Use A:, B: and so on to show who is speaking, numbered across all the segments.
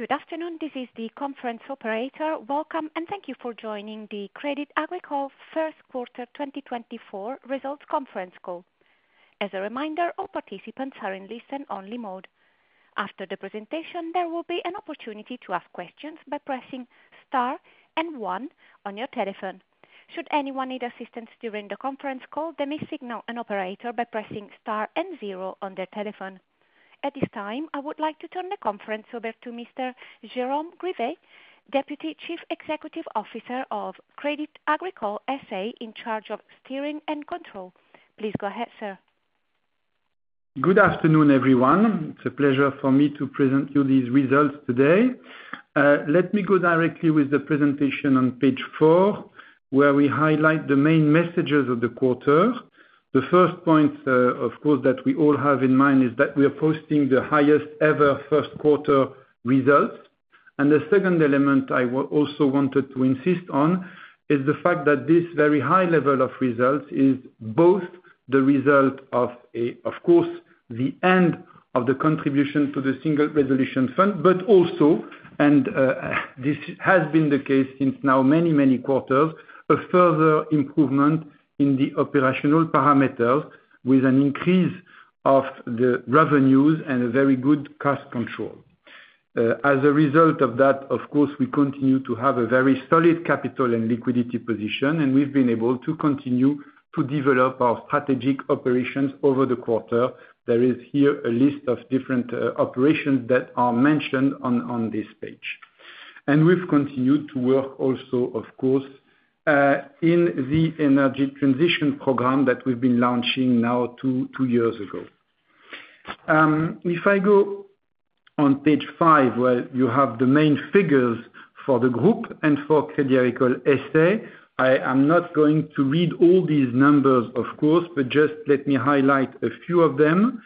A: Good afternoon, this is the conference operator. Welcome, and thank you for joining the Crédit Agricole first quarter 2024 results conference call. As a reminder, all participants are in listen-only mode. After the presentation, there will be an opportunity to ask questions by pressing star and one on your telephone. Should anyone need assistance during the conference call, they may signal an operator by pressing star and zero on their telephone. At this time, I would like to turn the conference over to Mr. Jérôme Grivet, Deputy Chief Executive Officer of Crédit Agricole S.A. in charge of steering and control. Please go ahead, sir.
B: Good afternoon, everyone. It's a pleasure for me to present you these results today. Let me go directly with the presentation on page four, where we highlight the main messages of the quarter. The first point, of course, that we all have in mind is that we are posting the highest-ever first quarter results. And the second element I also wanted to insist on is the fact that this very high level of results is both the result of a, of course, the end of the contribution to the Single Resolution Fund, but also, and this has been the case since now many, many quarters, a further improvement in the operational parameters with an increase of the revenues and a very good cost control. As a result of that, of course, we continue to have a very solid capital and liquidity position, and we've been able to continue to develop our strategic operations over the quarter. There is here a list of different operations that are mentioned on this page. And we've continued to work also, of course, in the energy transition program that we've been launching now two years ago. If I go on page five, well, you have the main figures for the Degroof and for Crédit Agricole S.A. I am not going to read all these numbers, of course, but just let me highlight a few of them.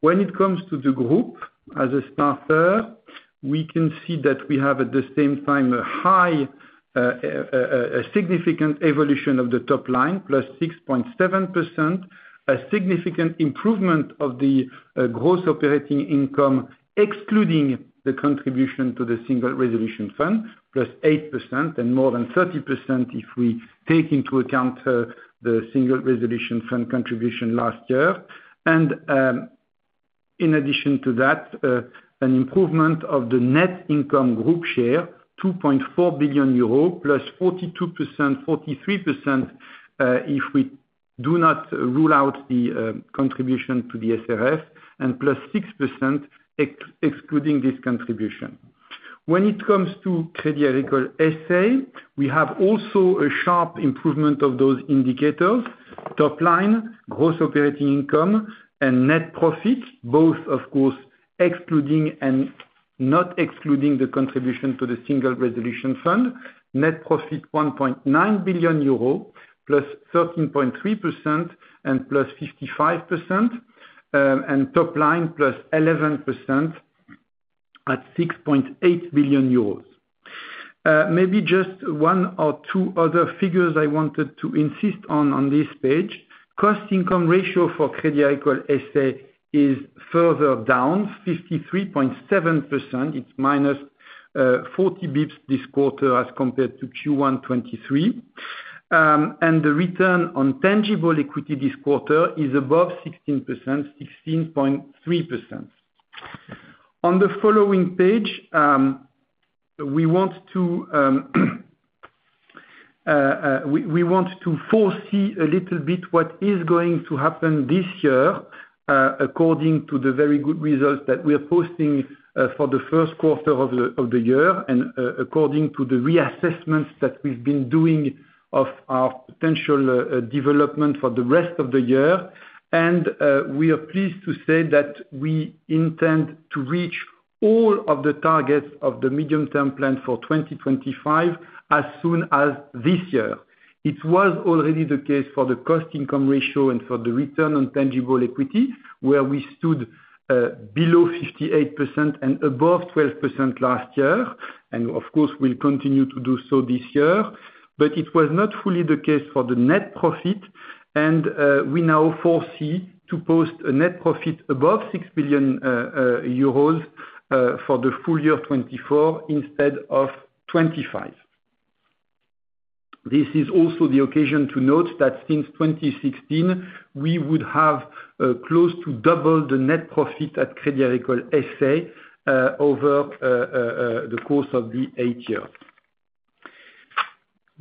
B: When it comes to Degroof, as a starter, we can see that we have at the same time a high, a significant evolution of the top line, +6.7%, a significant improvement of the gross operating income excluding the contribution to the Single Resolution Fund, +8%, and more than 30% if we take into account the Single Resolution Fund contribution last year. In addition to that, an improvement of the net income Group share, 2.4 billion euro, +42%-43%, if we do not rule out the contribution to the SRF, and +6% excluding this contribution. When it comes to Crédit Agricole S.A., we have also a sharp improvement of those indicators: top line, gross operating income, and net profit, both, of course, excluding and not excluding the contribution to the Single Resolution Fund, net profit 1.9 billion euros, +13.3% and +55%, and top line +11% at 6.8 billion euros. Maybe just one or two other figures I wanted to insist on, on this page. Cost-income ratio for Crédit Agricole S.A. is further down, 53.7%. It's minus 40 basis points this quarter as compared to Q1 2023. The return on tangible equity this quarter is above 16%, 16.3%. On the following page, we want to foresee a little bit what is going to happen this year, according to the very good results that we are posting for the first quarter of the year, and according to the reassessments that we've been doing of our potential development for the rest of the year. We are pleased to say that we intend to reach all of the targets of the medium-term plan for 2025 as soon as this year. It was already the case for the cost-income ratio and for the return on tangible equity, where we stood below 58% and above 12% last year, and of course, we'll continue to do so this year. But it was not fully the case for the net profit, and we now foresee to post a net profit above 6 billion euros for the full year 2024 instead of 2025. This is also the occasion to note that since 2016, we would have close to double the net profit at Crédit Agricole S.A. over the course of the eight years.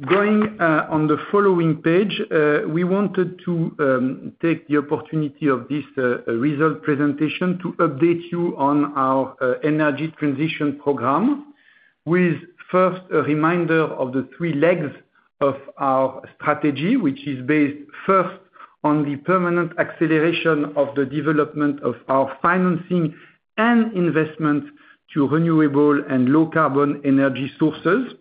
B: Going on the following page, we wanted to take the opportunity of this result presentation to update you on our energy transition program with first a reminder of the three legs of our strategy, which is based first on the permanent acceleration of the development of our financing and investment to renewable and low-carbon energy sources.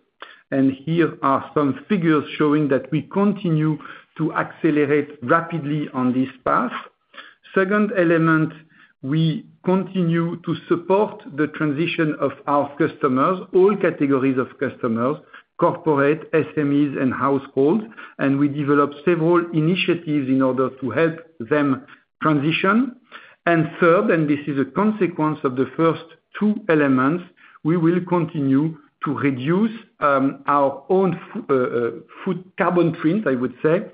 B: And here are some figures showing that we continue to accelerate rapidly on this path. Second element, we continue to support the transition of our customers, all categories of customers, corporate, SMEs, and households, and we develop several initiatives in order to help them transition. Third, and this is a consequence of the first two elements, we will continue to reduce our own carbon footprint, I would say,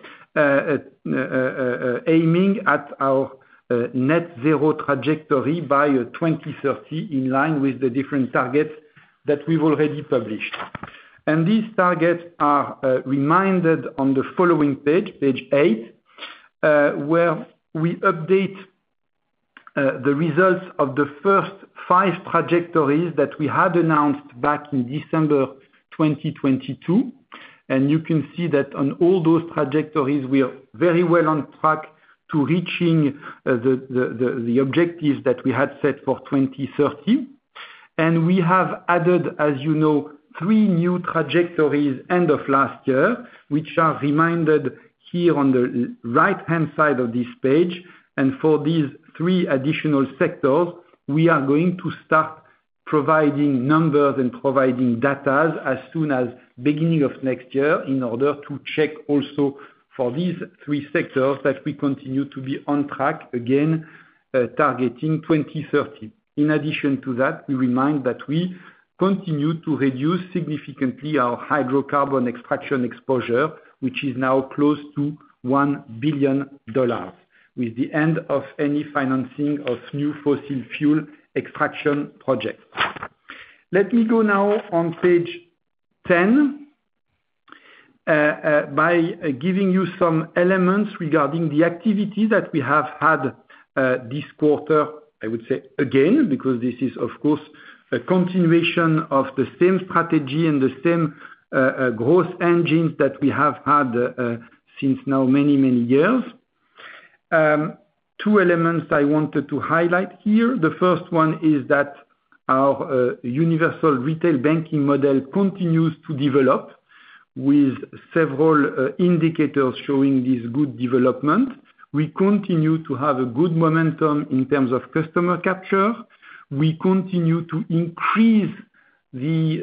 B: aiming at our net zero trajectory by 2030 in line with the different targets that we've already published. These targets are reminded on the following page, page 8, where we update the results of the first 5 trajectories that we had announced back in December 2022. You can see that on all those trajectories, we are very well on track to reaching the objectives that we had set for 2030. We have added, as you know, three new trajectories end of last year, which are reminded here on the right-hand side of this page. For these three additional sectors, we are going to start providing numbers and providing data as soon as beginning of next year in order to check also for these three sectors that we continue to be on track again, targeting 2030. In addition to that, we remind that we continue to reduce significantly our hydrocarbon extraction exposure, which is now close to $1 billion with the end of any financing of new fossil fuel extraction projects. Let me go now on page 10, by giving you some elements regarding the activities that we have had this quarter. I would say again, because this is, of course, a continuation of the same strategy and the same gross engines that we have had since now many, many years. Two elements I wanted to highlight here. The first one is that our universal retail banking model continues to develop with several indicators showing this good development. We continue to have a good momentum in terms of customer capture. We continue to increase the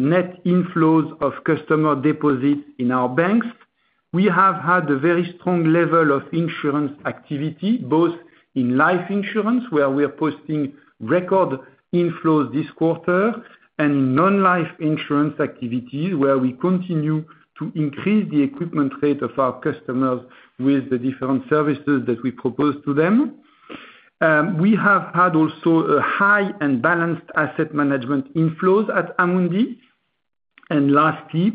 B: net inflows of customer deposits in our banks. We have had a very strong level of insurance activity, both in life insurance, where we are posting record inflows this quarter, and in non-life insurance activities, where we continue to increase the equipment rate of our customers with the different services that we propose to them. We have had also a high and balanced asset management inflows at Amundi. And lastly,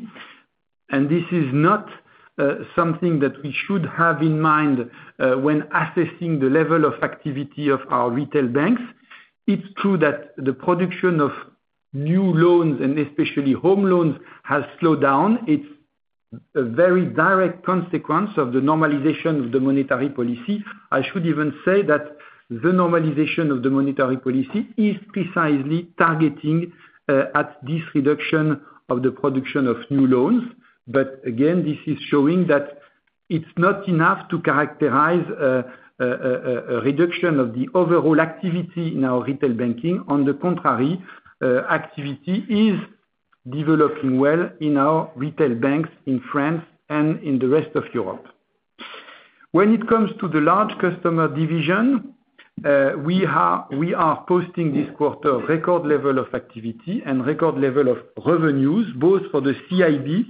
B: and this is not something that we should have in mind when assessing the level of activity of our retail banks, it's true that the production of new loans and especially home loans has slowed down. It's a very direct consequence of the normalization of the monetary policy. I should even say that the normalization of the monetary policy is precisely targeting this reduction of the production of new loans. But again, this is showing that it's not enough to characterize a reduction of the overall activity in our retail banking. On the contrary, activity is developing well in our retail banks in France and in the rest of Europe. When it comes to the large customer division, we are posting this quarter record level of activity and record level of revenues, both for the CIB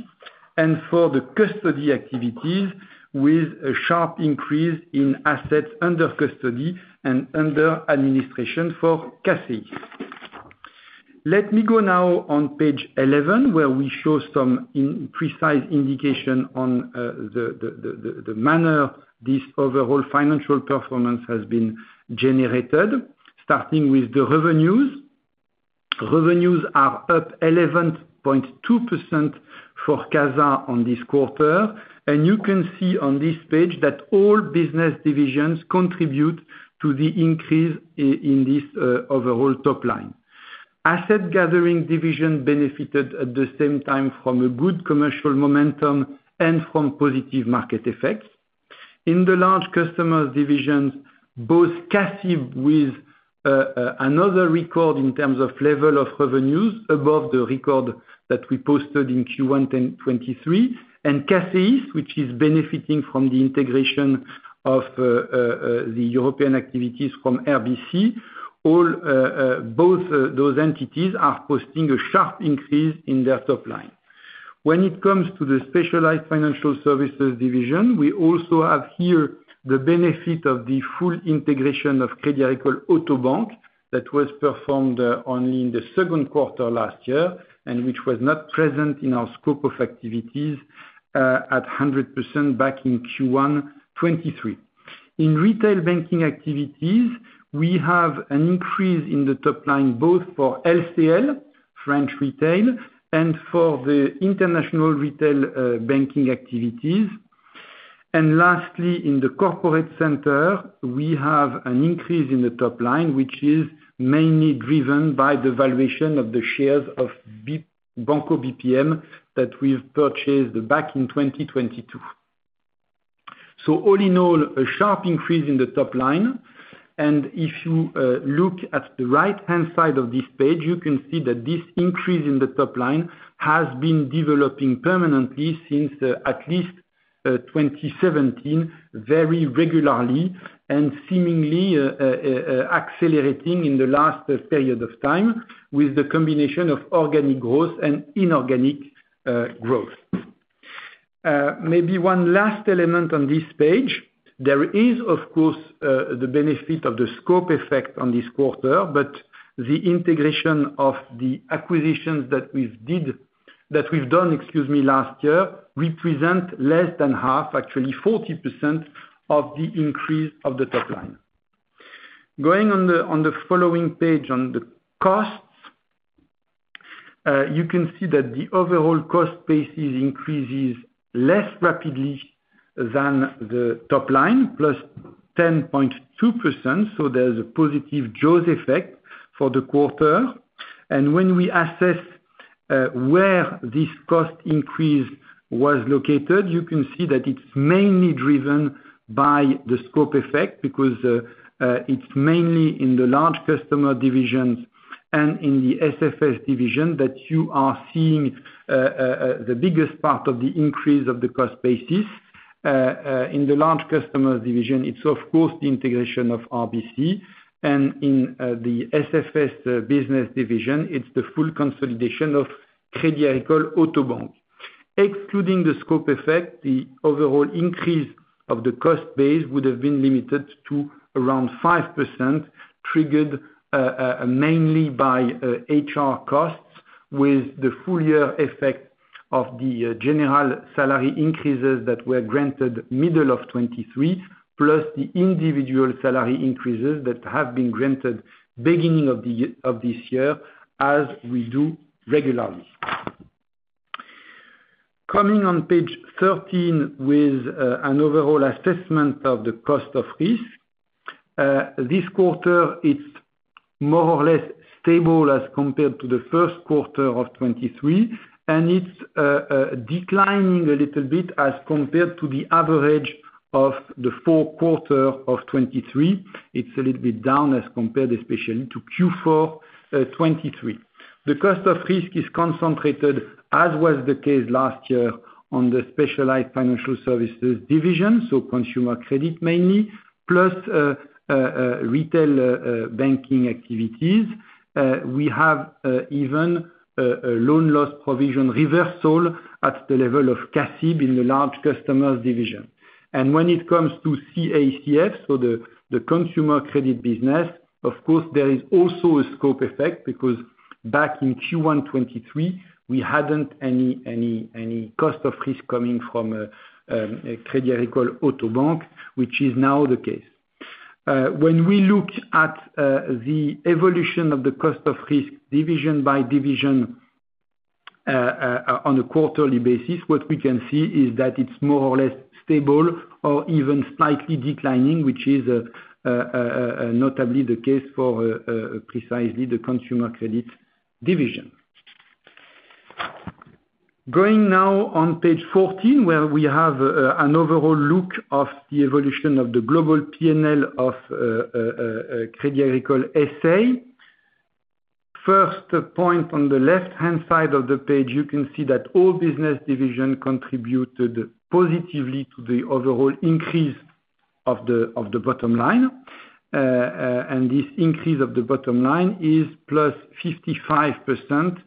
B: and for the custody activities with a sharp increase in assets under custody and under administration for CACEIS. Let me go now on page 11, where we show some imprecise indication on the manner this overall financial performance has been generated, starting with the revenues. Revenues are up 11.2% for CASA on this quarter. You can see on this page that all business divisions contribute to the increase in this overall top line. Asset gathering division benefited at the same time from a good commercial momentum and from positive market effects. In the large customers divisions, both CA CIB with another record in terms of level of revenues above the record that we posted in Q1 2023, and CACEIS, which is benefiting from the integration of the European activities from RBC, both those entities are posting a sharp increase in their top line. When it comes to the specialized financial services division, we also have here the benefit of the full integration of CA Auto Bank that was performed only in the second quarter last year, and which was not present in our scope of activities at 100% back in Q1 2023. In retail banking activities, we have an increase in the top line both for LCL French retail, and for the international retail banking activities. And lastly, in the corporate center, we have an increase in the top line, which is mainly driven by the valuation of the shares of Banco BPM that we've purchased back in 2022. So all in all, a sharp increase in the top line. And if you look at the right-hand side of this page, you can see that this increase in the top line has been developing permanently since at least 2017, very regularly and seemingly accelerating in the last period of time with the combination of organic growth and inorganic growth. Maybe one last element on this page. There is, of course, the benefit of the scope effect on this quarter, but the integration of the acquisitions that we've did that we've done, excuse me, last year represent less than half, actually 40% of the increase of the top line. Going on the following page, on the costs, you can see that the overall cost basis increases less rapidly than the top line, plus 10.2%. So there's a positive jaws effect for the quarter. And when we assess where this cost increase was located, you can see that it's mainly driven by the scope effect because it's mainly in the large customer divisions and in the SFS division that you are seeing the biggest part of the increase of the cost basis. In the large customers division, it's, of course, the integration of RBC. And in the SFS business division, it's the full consolidation of Crédit Agricole Auto Bank. Excluding the scope effect, the overall increase of the cost base would have been limited to around 5%, triggered mainly by HR costs with the full year effect of the general salary increases that were granted middle of 2023, plus the individual salary increases that have been granted beginning of this year as we do regularly. Coming on page 13 with an overall assessment of the cost of risk, this quarter, it's more or less stable as compared to the first quarter of 2023, and it's declining a little bit as compared to the average of the fourth quarter of 2023. It's a little bit down as compared especially to Q4 2023. The cost of risk is concentrated, as was the case last year, on the specialized financial services division, so consumer credit mainly, plus retail banking activities. We have even a loan loss provision reversal at the level of CA CIB in the large customers division. When it comes to CACF, so the consumer credit business, of course, there is also a scope effect because back in Q1 2023, we hadn't any cost of risk coming from CA Auto Bank, which is now the case. When we look at the evolution of the cost of risk division by division, on a quarterly basis, what we can see is that it's more or less stable or even slightly declining, which is notably the case for precisely the consumer credit division. Going now on page 14, where we have an overall look of the evolution of the global P&L of Crédit Agricole S.A. First point on the left-hand side of the page, you can see that all business divisions contributed positively to the overall increase of the bottom line. And this increase of the bottom line is plus 55%,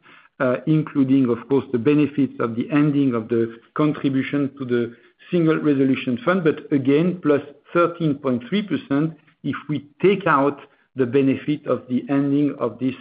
B: including, of course, the benefits of the ending of the contribution to the Single Resolution Fund, but again, plus 13.3% if we take out the benefit of the ending of this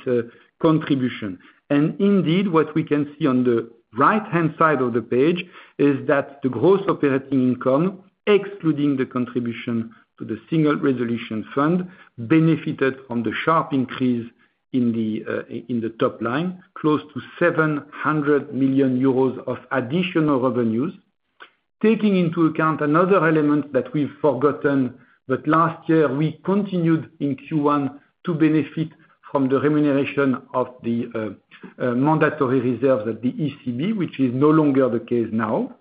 B: contribution. Indeed, what we can see on the right-hand side of the page is that the gross operating income, excluding the contribution to the Single Resolution Fund, benefited from the sharp increase in the top line, close to 700 million euros of additional revenues, taking into account another element that we've forgotten, but last year, we continued in Q1 to benefit from the remuneration of the mandatory reserves at the ECB, which is no longer the case now,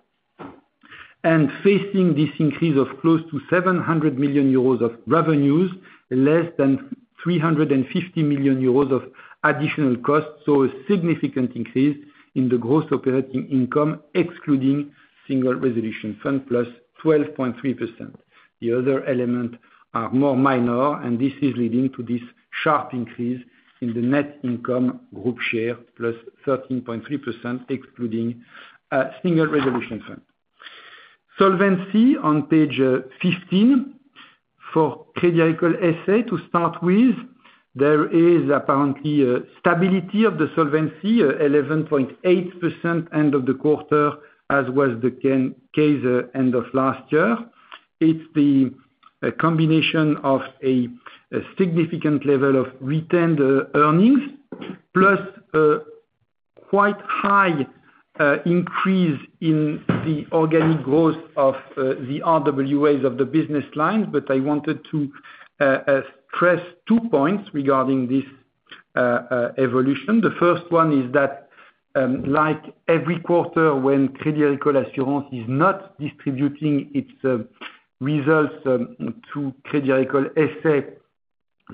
B: and facing this increase of close to 700 million euros of revenues, less than 350 million euros of additional costs. A significant increase in the gross operating income, excluding Single Resolution Fund, plus 12.3%. The other elements are more minor, and this is leading to this sharp increase in the net income Group share, plus 13.3%, excluding Single Resolution Fund. Solvency on page 15 for Crédit Agricole S.A., to start with, there is apparently a stability of the solvency 11.8% end of the quarter, as was the case end of last year. It's the combination of a significant level of retained earnings plus quite high increase in the organic growth of the RWAs of the business lines. But I wanted to stress two points regarding this evolution. The first one is that, like every quarter, when Crédit Agricole Assurances is not distributing its results to Crédit Agricole S.A.,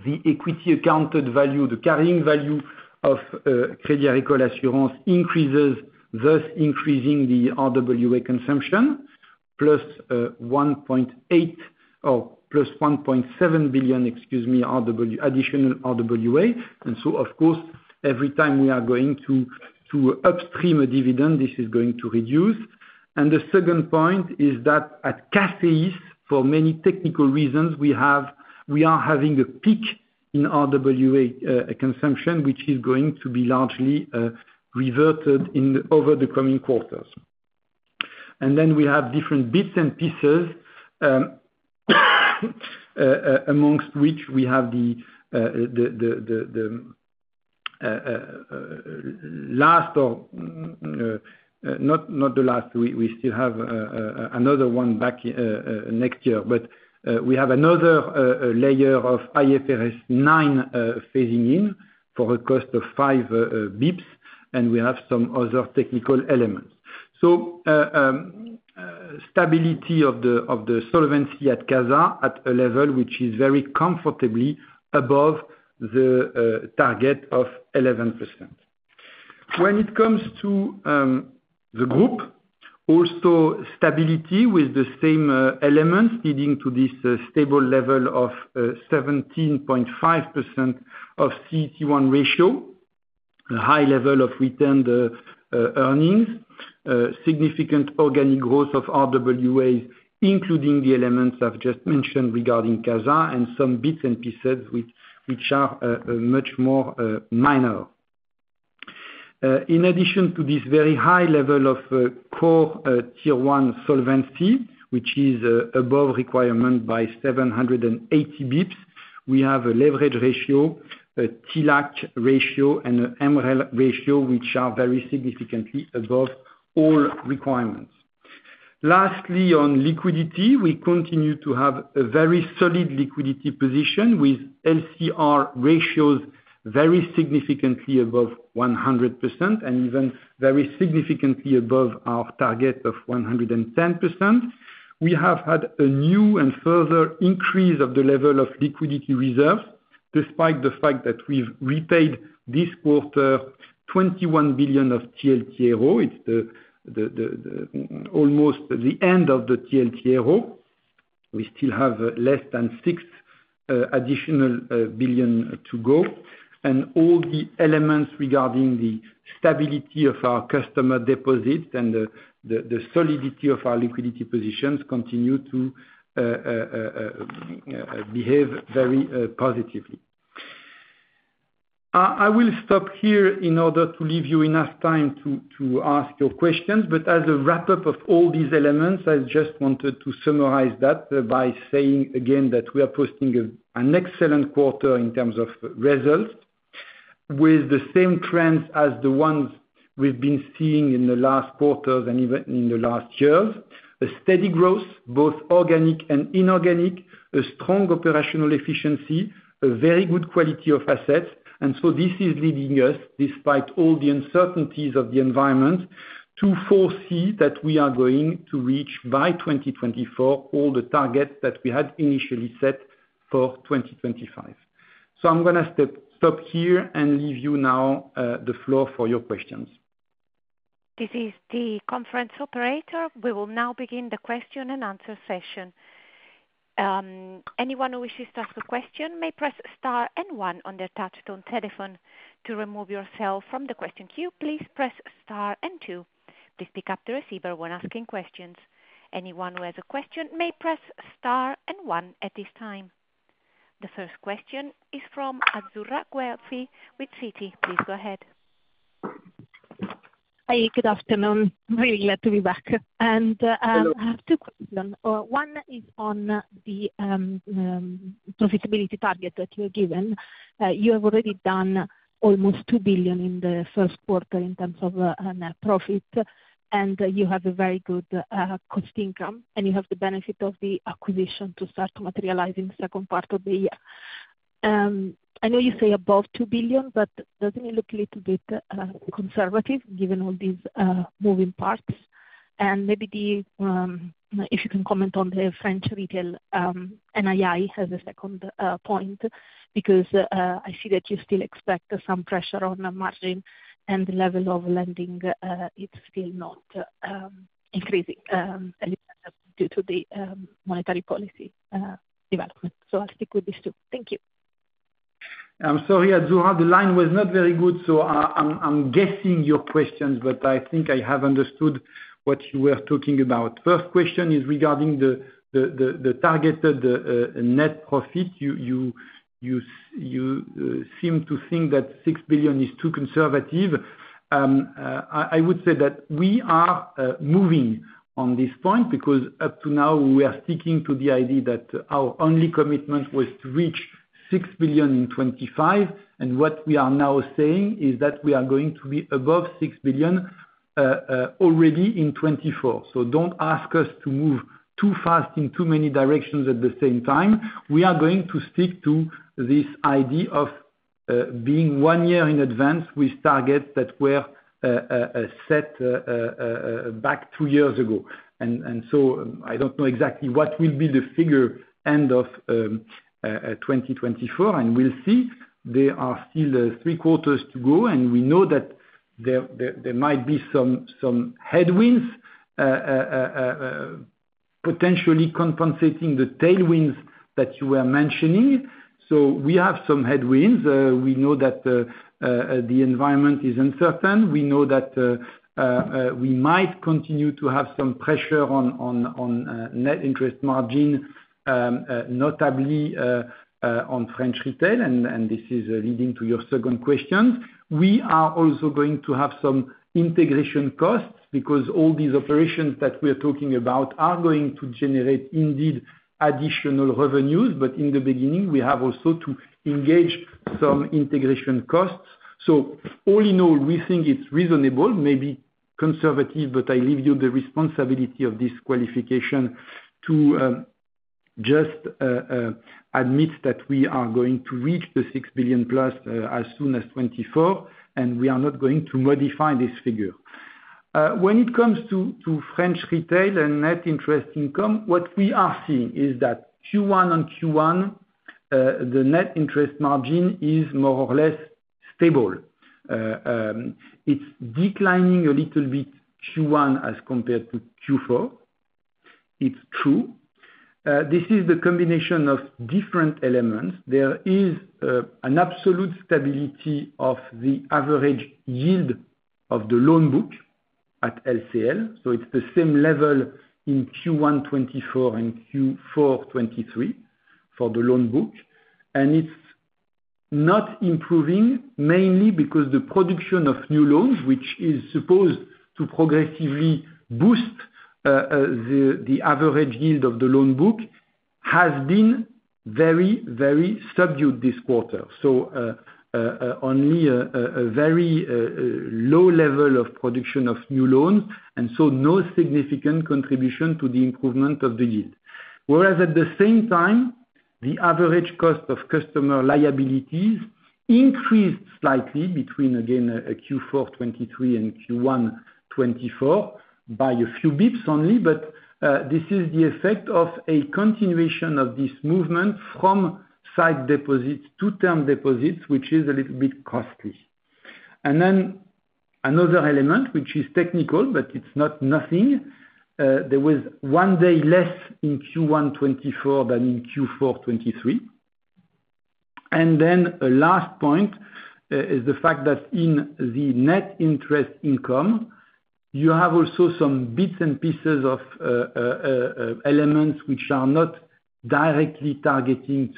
B: the equity accounted value, the carrying value of Crédit Agricole Assurances increases, thus increasing the RWA consumption plus 1.8 or plus 1.7 billion, excuse me, RWA, additional RWA. So, of course, every time we are going to upstream a dividend, this is going to reduce. The second point is that at CACEIS, for many technical reasons, we are having a peak in RWA consumption, which is going to be largely reverted in the over the coming quarters. And then we have different bits and pieces, amongst which we have the last. We still have another one next year, but we have another layer of IFRS 9 phasing in for a cost of 5 bps, and we have some other technical elements. So, stability of the solvency at CASA at a level which is very comfortably above the target of 11%. When it comes to the group, also stability with the same elements leading to this stable level of 17.5% CET1 ratio, a high level of retained earnings, significant organic growth of RWAs, including the elements I've just mentioned regarding CASA and some bits and pieces which are much more minor. In addition to this very high level of core Tier 1 solvency, which is above requirement by 780 basis points, we have a leverage ratio, a TLAC ratio, and an MREL ratio which are very significantly above all requirements. Lastly, on liquidity, we continue to have a very solid liquidity position with LCR ratios very significantly above 100% and even very significantly above our target of 110%. We have had a new and further increase of the level of liquidity reserves despite the fact that we've repaid this quarter 21 billion of TLTRO. It's almost the end of the TLTRO. We still have less than 6 additional billion to go. And all the elements regarding the stability of our customer deposits and the solidity of our liquidity positions continue to behave very positively. I will stop here in order to leave you enough time to ask your questions. But as a wrap-up of all these elements, I just wanted to summarize that by saying again that we are posting an excellent quarter in terms of results with the same trends as the ones we've been seeing in the last quarters and even in the last years, a steady growth, both organic and inorganic, a strong operational efficiency, a very good quality of assets. And so this is leading us, despite all the uncertainties of the environment, to foresee that we are going to reach by 2024 all the targets that we had initially set for 2025. So I'm going to stop here and leave the floor to you now for your questions.
A: This is the conference operator. We will now begin the question and answer session. Anyone who wishes to ask a question may press star and one on their touch-tone telephone. To remove yourself from the question queue, please press star and two. Please pick up your receiver when asking questions. Anyone who has a question may press star and one at this time. The first question is from Azzurra Guelfi with Citi. Please go ahead.
C: Hi. Good afternoon. Really glad to be back. And, I have two questions. One is on the profitability target that you are given. You have already done almost 2 billion in the first quarter in terms of net profit, and you have a very good cost income, and you have the benefit of the acquisition to start materializing second part of the year. I know you say above 2 billion, but doesn't it look a little bit conservative given all these moving parts? And maybe if you can comment on the French retail NII as a second point because I see that you still expect some pressure on the margin and the level of lending. It's still not increasing, at least due to the monetary policy development. So, I'll stick with these two. Thank you.
B: I'm sorry, Azzurra. The line was not very good. So, I'm guessing your questions, but I think I have understood what you were talking about. First question is regarding the targeted net profit. You seem to think that 6 billion is too conservative. I would say that we are moving on this point because up to now, we are sticking to the idea that our only commitment was to reach 6 billion in 2025. And what we are now saying is that we are going to be above 6 billion, already in 2024. So don't ask us to move too fast in too many directions at the same time. We are going to stick to this idea of being one year in advance with targets that were set back two years ago. And so, I don't know exactly what the figure will be at the end of 2024, and we'll see. There are still three quarters to go, and we know that there might be some headwinds, potentially compensating the tailwinds that you were mentioning. So we have some headwinds. We know that, the environment is uncertain. We know that, we might continue to have some pressure on net interest margin, notably, on French retail. And this is leading to your second question. We are also going to have some integration costs because all these operations that we are talking about are going to generate indeed additional revenues. But in the beginning, we have also to engage some integration costs. So all in all, we think it's reasonable, maybe conservative, but I leave you the responsibility of this qualification to just admit that we are going to reach the 6 billion+ as soon as 2024, and we are not going to modify this figure. When it comes to French retail and net interest income, what we are seeing is that Q1 on Q1, the net interest margin is more or less stable. It's declining a little bit, Q1 as compared to Q4. It's true. This is the combination of different elements. There is an absolute stability of the average yield of the loan book at LCL. So it's the same level in Q1 2024 and Q4 2023 for the loan book. And it's not improving mainly because the production of new loans, which is supposed to progressively boost the average yield of the loan book, has been very, very subdued this quarter. So only a very low level of production of new loans and so no significant contribution to the improvement of the yield. Whereas at the same time, the average cost of customer liabilities increased slightly between, again, Q4 2023 and Q1 2024 by a few basis points only. But this is the effect of a continuation of this movement from sight deposits to term deposits, which is a little bit costly. And then another element, which is technical, but it's not nothing. There was one day less in Q1 2024 than in Q4 2023. And then a last point is the fact that in the net interest income, you have also some bits and pieces of elements which are not directly targeting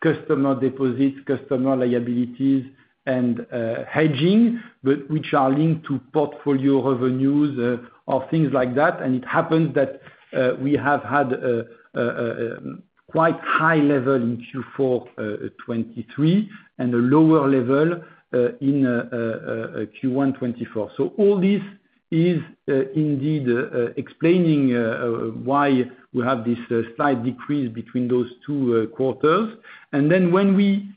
B: customer deposits, customer liabilities, and hedging, but which are linked to portfolio revenues, or things like that. And it happens that we have had a quite high level in Q4 2023 and a lower level in Q1 2024. So all this is, indeed, explaining why we have this slight decrease between those two quarters. And then when we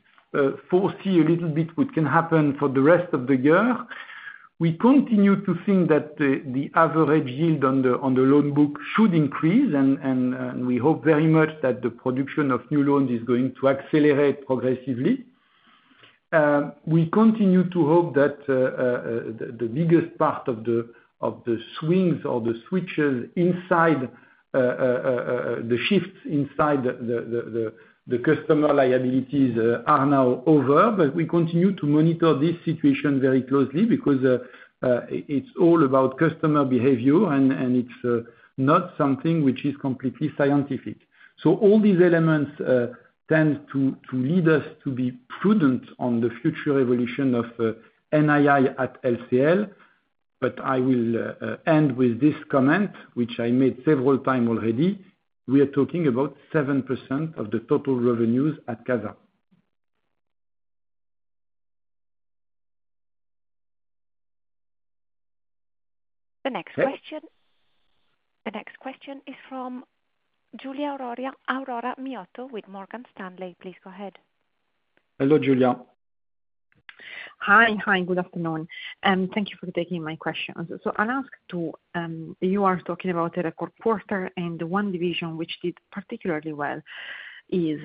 B: foresee a little bit what can happen for the rest of the year, we continue to think that the average yield on the loan book should increase. And we hope very much that the production of new loans is going to accelerate progressively. We continue to hope that the biggest part of the swings or the switches inside, the shifts inside the customer liabilities, are now over. But we continue to monitor this situation very closely because it's all about customer behavior, and it's not something which is completely scientific. So all these elements tend to lead us to be prudent on the future evolution of NII at LCL. But I will end with this comment, which I made several times already. We are talking about 7% of the total revenues at CASA.
A: The next question is from Giulia Aurora Miotto with Morgan Stanley. Please go ahead.
B: Hello, Giulia.
D: Hi. Good afternoon. Thank you for taking my questions. So I'll ask to, you are talking about a record quarter, and the one division which did particularly well is,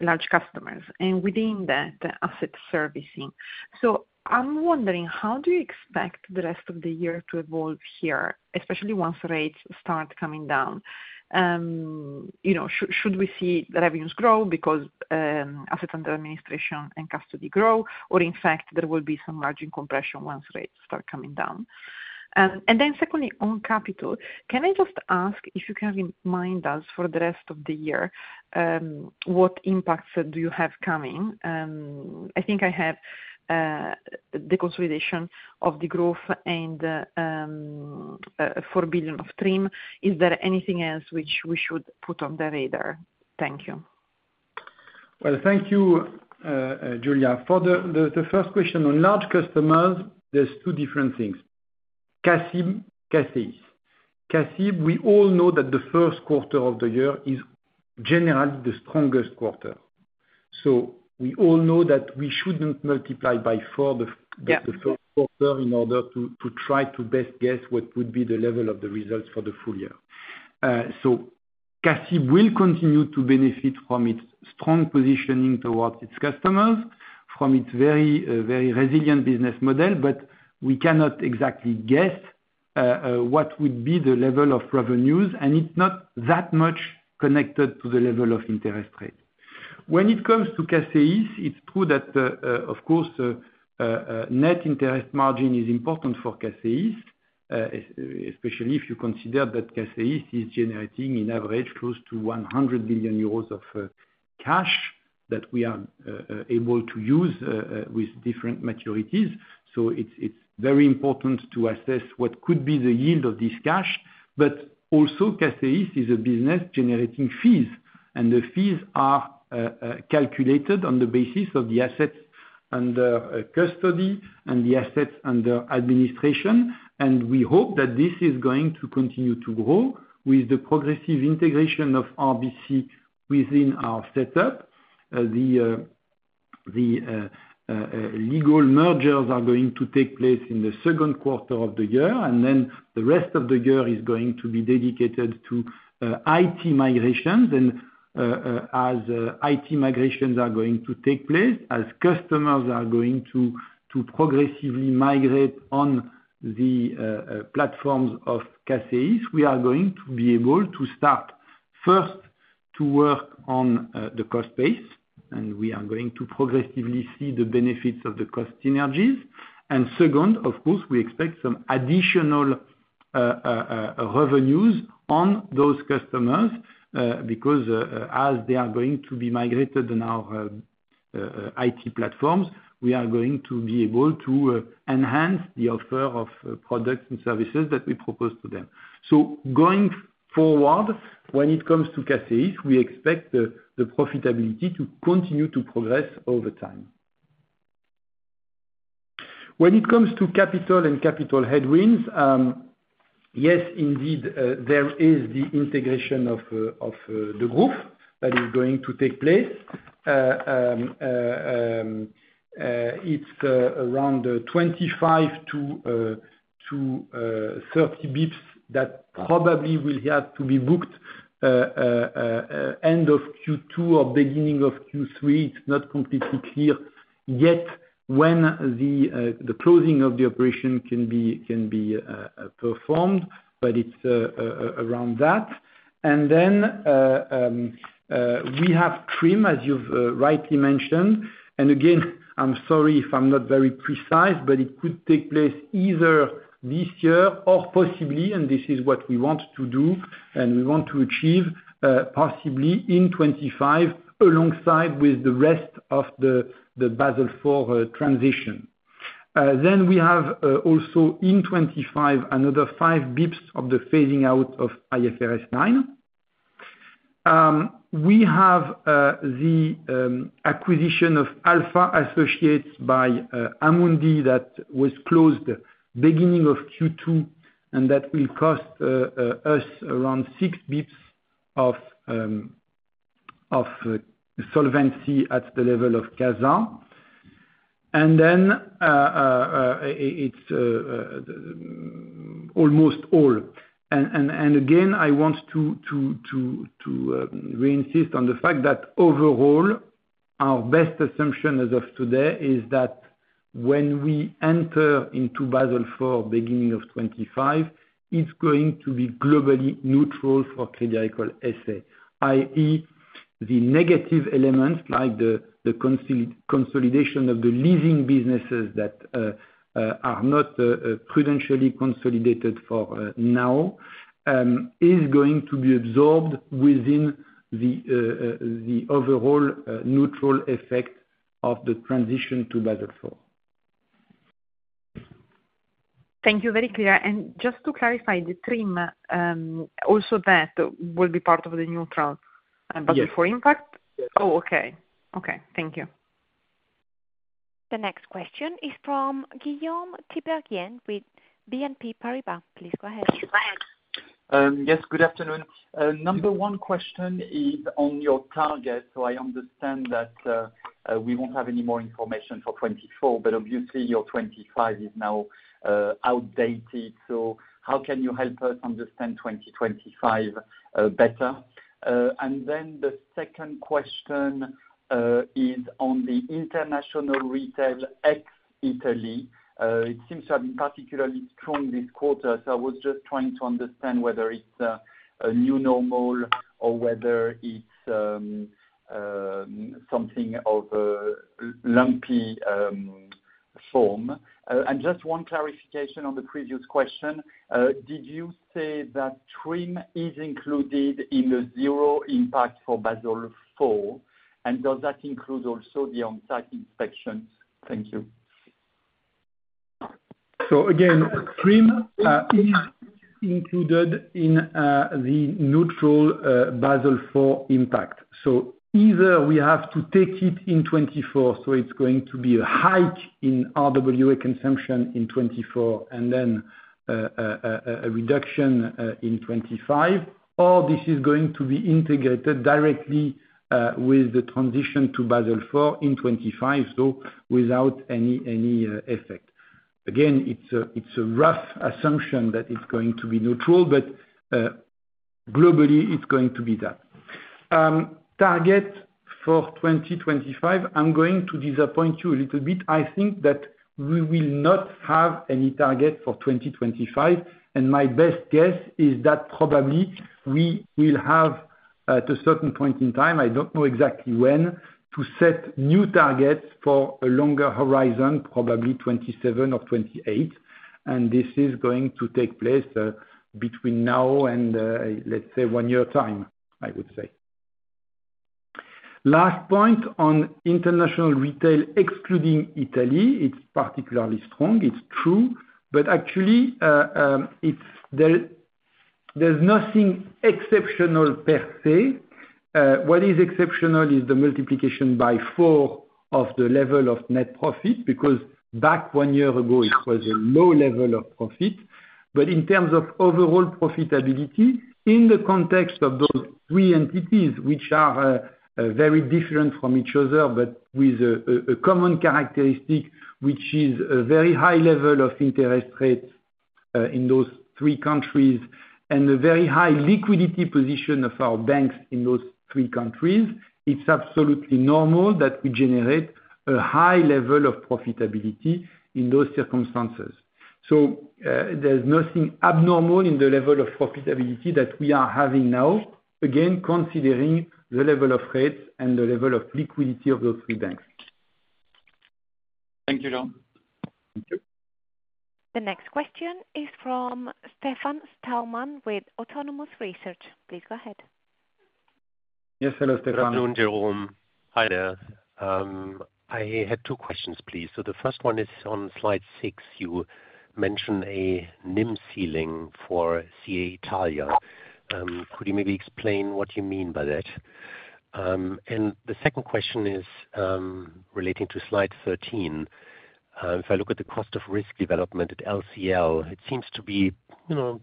D: large customers and within that, asset servicing. So I'm wondering, how do you expect the rest of the year to evolve here, especially once rates start coming down? You know, should we see revenues grow because, asset under administration and custody grow, or in fact, there will be some margin compression once rates start coming down? And then secondly, on capital, can I just ask if you can remind us for the rest of the year, what impacts do you have coming? I think I have the consolidation of Degroof and 4 billion of TRIM. Is there anything else which we should put on the radar? Thank you.
B: Well, thank you, Giulia. For the first question on large customers, there's two different things. CA CIB, CACEIS. CA CIB, we all know that the first quarter of the year is generally the strongest quarter. So we all know that we shouldn't multiply by four the first quarter in order to try to best guess what would be the level of the results for the full year. So CA CIB will continue to benefit from its strong positioning towards its customers, from its very, very resilient business model. But we cannot exactly guess what would be the level of revenues. And it's not that much connected to the level of interest rate. When it comes to CACEIS, it's true that, of course, net interest margin is important for CACEIS, especially if you consider that CACEIS is generating in average close to 100 billion euros of cash that we are able to use with different maturities. So it's very important to assess what could be the yield of this cash. But also, CACEIS is a business generating fees, and the fees are calculated on the basis of the assets under custody and the assets under administration. And we hope that this is going to continue to grow with the progressive integration of RBC within our setup. The legal mergers are going to take place in the second quarter of the year. Then the rest of the year is going to be dedicated to IT migrations. As IT migrations are going to take place, as customers are going to progressively migrate on the platforms of CACEIS, we are going to be able to start first to work on the cost base. We are going to progressively see the benefits of the cost synergies. Second, of course, we expect some additional revenues on those customers, because as they are going to be migrated on our IT platforms, we are going to be able to enhance the offer of products and services that we propose to them. Going forward, when it comes to CACEIS, we expect the profitability to continue to progress over time. When it comes to capital and capital headwinds, yes, indeed, there is the integration of the group that is going to take place. It's around 25-30 bps that probably will have to be booked end of Q2 or beginning of Q3. It's not completely clear yet when the closing of the operation can be performed, but it's around that. And then, we have TRIM, as you've rightly mentioned. And again, I'm sorry if I'm not very precise, but it could take place either this year or possibly, and this is what we want to do and we want to achieve, possibly in 2025 alongside with the rest of the Basel IV transition. Then we have also in 2025 another 5 bps of the phasing out of IFRS 9. We have the acquisition of Alpha Associates by Amundi that was closed beginning of Q2 and that will cost us around six basis points of solvency at the level of CASA. And then, it's almost all. And again, I want to re-emphasize the fact that overall, our best assumption as of today is that when we enter into Basel IV beginning of 2025, it's going to be globally neutral for Crédit Agricole S.A., i.e., the negative elements like the consolidation of the leasing businesses that are not prudentially consolidated for now is going to be absorbed within the overall neutral effect of the transition to Basel IV.
D: Thank you. Very clear. And just to clarify the TRIM, also that will be part of the neutral Basel IV impact. Oh, okay. Okay. Thank you.
A: The next question is from Guillaume Tiberghien with BNP Paribas. Please go ahead.
E: Yes. Good afternoon. Number one question is on your target. So, I understand that we won't have any more information for 2024, but obviously, your 2025 is now outdated. So, how can you help us understand 2025 better? And then the second question is on the international retail ex-Italy. It seems to have been particularly strong this quarter. So, I was just trying to understand whether it's a new normal or whether it's something of a lumpy form. And just one clarification on the previous question. Did you say that TRIM is included in the zero impact for Basel IV? And does that include also the on-site inspections? Thank you.
B: So again, TRIM is included in the neutral Basel IV impact. So either we have to take it in 2024, so it's going to be a hike in RWA consumption in 2024 and then a reduction in 2025, or this is going to be integrated directly with the transition to Basel IV in 2025, so without any effect. Again, it's a rough assumption that it's going to be neutral, but globally, it's going to be that. Target for 2025, I'm going to disappoint you a little bit. I think that we will not have any target for 2025. And my best guess is that probably we will have, at a certain point in time, I don't know exactly when, to set new targets for a longer horizon, probably 2027 or 2028. And this is going to take place, between now and, let's say, one year time, I would say. Last point on international retail excluding Italy, it's particularly strong. It's true. But actually, it's that there's nothing exceptional per se. What is exceptional is the multiplication by 4 of the level of net profit because back 1 year ago, it was a low level of profit. But in terms of overall profitability, in the context of those 3 entities which are very different from each other, but with a common characteristic, which is a very high level of interest rates in those 3 countries and a very high liquidity position of our banks in those 3 countries, it's absolutely normal that we generate a high level of profitability in those circumstances. So, there's nothing abnormal in the level of profitability that we are having now, again, considering the level of rates and the level of liquidity of those 3 banks.
E: Thank you, Jérôme.
B: Thank you.
A: The next question is from Stefan Stalmann with Autonomous Research. Please go ahead.
B: Yes. Hello, Stefan.
F: Good afternoon, Jérôme. Hi there. I had two questions, please. So the first one is on slide six. You mentioned a NIM ceiling for CA Italia. Could you maybe explain what you mean by that? And the second question is, relating to slide 13. If I look at the cost of risk development at LCL, it seems to be, you know,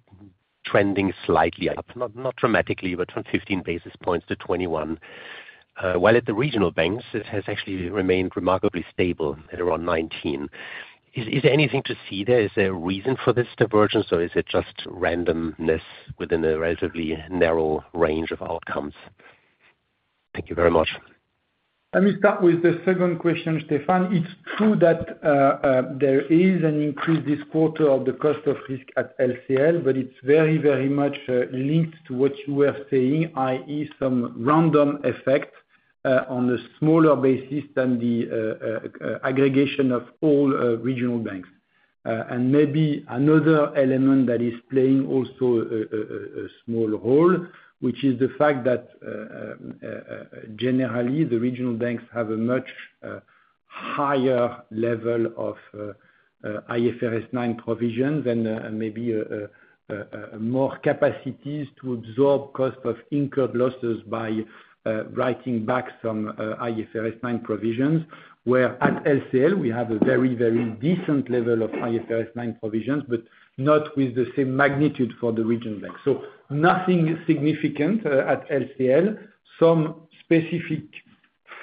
F: trending slightly up, not dramatically, but from 15 basis points to 21. While at the regional banks, it has actually remained remarkably stable at around 19. Is there anything to see? There is a reason for this divergence, or is it just randomness within a relatively narrow range of outcomes? Thank you very much.
B: Let me start with the second question, Stefan. It's true that there is an increase this quarter of the cost of risk at LCL, but it's very, very much linked to what you were saying, i.e., some random effect on a smaller basis than the aggregation of all regional banks. And maybe another element that is playing also a small role, which is the fact that generally the regional banks have a much higher level of IFRS 9 provision than maybe more capacities to absorb cost of incurred losses by writing back some IFRS 9 provisions, where at LCL we have a very, very decent level of IFRS 9 provisions, but not with the same magnitude for the regional banks. So, nothing significant at LCL. Some specific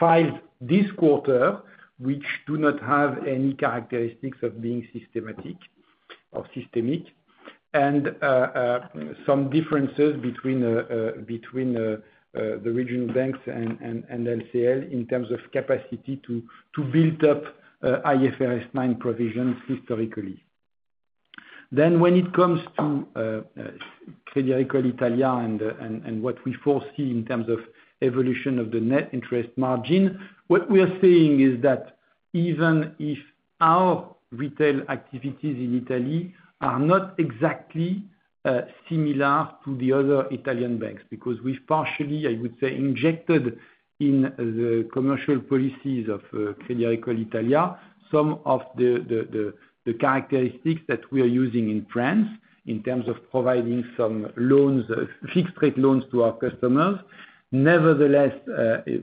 B: files this quarter, which do not have any characteristics of being systematic or systemic, and some differences between the regional banks and LCL in terms of capacity to build up IFRS 9 provisions historically. Then when it comes to Crédit Agricole Italia and what we foresee in terms of evolution of the net interest margin, what we are seeing is that even if our retail activities in Italy are not exactly similar to the other Italian banks because we've partially, I would say, injected in the commercial policies of Crédit Agricole Italia some of the characteristics that we are using in France in terms of providing some loans, fixed-rate loans to our customers. Nevertheless,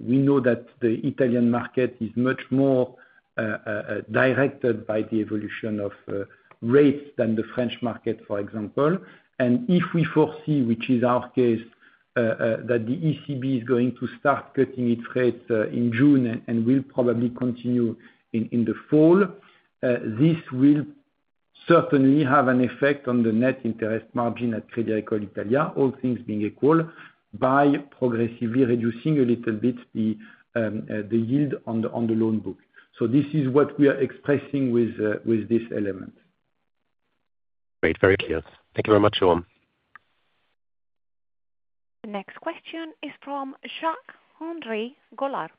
B: we know that the Italian market is much more directed by the evolution of rates than the French market, for example. If we foresee, which is our case, that the ECB is going to start cutting its rates in June and will probably continue in the fall, this will certainly have an effect on the net interest margin at Crédit Agricole Italia, all things being equal, by progressively reducing a little bit the yield on the loan book. So this is what we are expressing with this element.
F: Great. Very clear. Thank you very much, Jérôme.
A: The next question is from Jacques-Henri Gaulard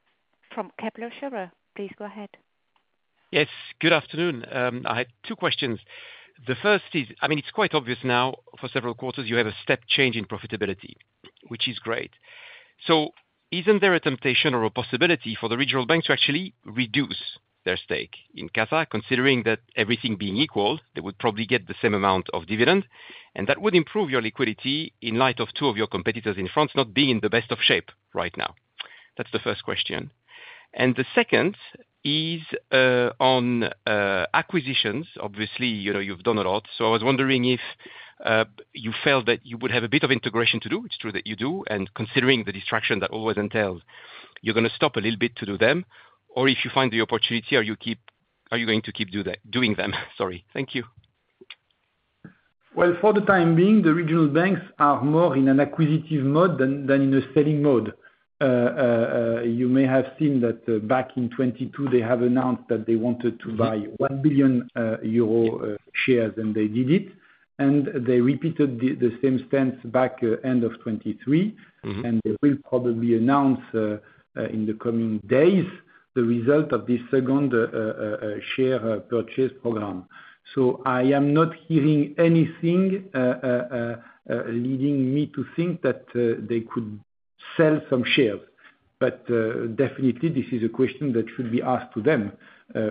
A: from Kepler Cheuvreux. Please go ahead.
G: Yes. Good afternoon. I had two questions. The first is, I mean, it's quite obvious now for several quarters, you have a step change in profitability, which is great. So, isn't there a temptation or a possibility for the regional banks to actually reduce their stake in CASA, considering that everything being equal, they would probably get the same amount of dividend, and that would improve your liquidity in light of two of your competitors in France not being in the best of shape right now? That's the first question. The second is, on, acquisitions. Obviously, you know, you've done a lot. So I was wondering if you felt that you would have a bit of integration to do. It's true that you do. And considering the distraction that always entails, you're going to stop a little bit to do them. Or if you find the opportunity, are you going to keep doing them? Sorry. Thank you.
B: Well, for the time being, the regional banks are more in an acquisitive mode than in a selling mode. You may have seen that back in 2022, they have announced that they wanted to buy 1 billion euro shares, and they did it. They repeated the same stance back end of 2023. They will probably announce, in the coming days, the result of this second, share purchase program. So, I am not hearing anything, leading me to think that they could sell some shares. But definitely, this is a question that should be asked to them.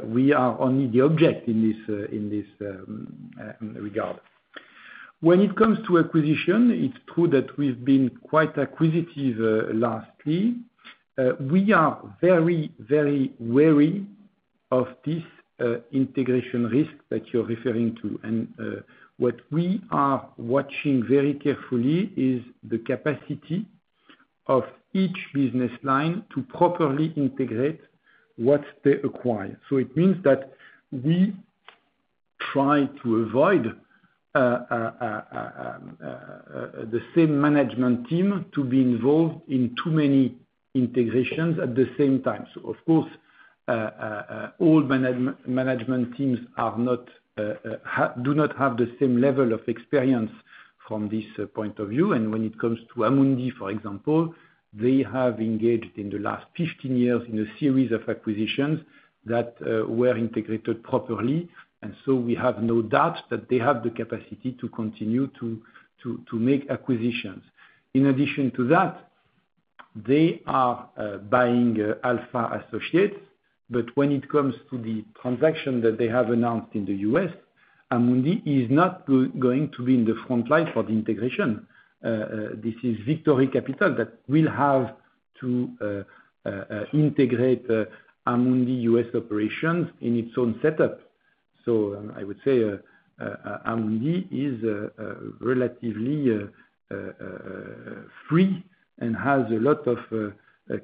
B: We are only the object in this regard. When it comes to acquisition, it's true that we've been quite acquisitive lastly. We are very, very wary of this, integration risk that you're referring to. What we are watching very carefully is the capacity of each business line to properly integrate what they acquire. So it means that we try to avoid the same management team to be involved in too many integrations at the same time. So, of course, all management teams do not have the same level of experience from this point of view. When it comes to Amundi, for example, they have engaged in the last 15 years in a series of acquisitions that were integrated properly. And so we have no doubt that they have the capacity to continue to make acquisitions. In addition to that, they are buying Alpha Associates. But when it comes to the transaction that they have announced in the U.S., Amundi is not going to be in the front line for the integration. This is Victory Capital that will have to integrate Amundi US operations in its own setup. So I would say Amundi is relatively free and has a lot of